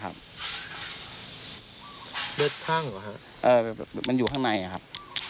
เลือดข้างหรอครับเออมันอยู่ข้างในครับ